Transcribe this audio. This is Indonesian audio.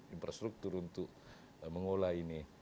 infrastruktur untuk mengolah ini